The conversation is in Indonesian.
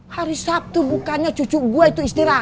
hari sabtu bukannya cucu gue itu istirahat